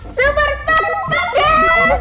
super pantas banget